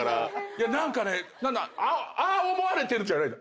何かねああ思われてるじゃないんだ。